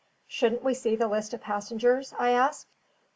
"Shouldn't we see the list of passengers?" I asked.